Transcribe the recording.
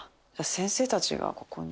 先生たちがここに。